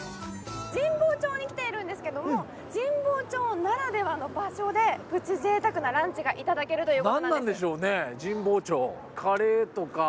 神保町に来ているんですけども神保町ならではの場所でプチ贅沢なランチがいただけるということで何なんでしょうね